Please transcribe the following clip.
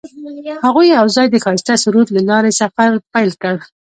هغوی یوځای د ښایسته سرود له لارې سفر پیل کړ.